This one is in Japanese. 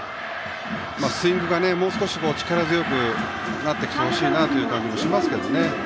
スイングがもう少し力強くなってきてほしい感じがしますが。